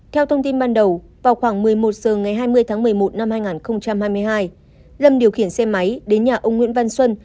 theo thông tin ban đầu vào khoảng một mươi một h ngày hai mươi tháng một mươi một năm hai nghìn hai mươi hai lâm điều khiển xe máy đến nhà ông nguyễn văn xuân